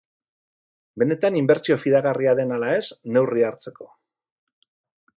Benetan inbertsio fidagarria den ala ez, neurria hartzeko.